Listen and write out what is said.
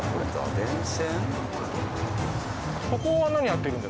電線？